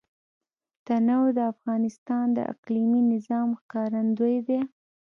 تنوع د افغانستان د اقلیمي نظام ښکارندوی ده.